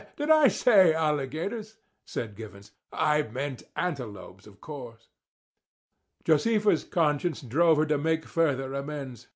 "Did I say alligators?" said Givens. "I meant antelopes, of course." Josefa's conscience drove her to make further amends.